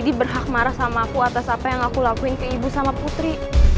dia berhak marah sama aku atas apa yang aku lakuin ke ibu sama putri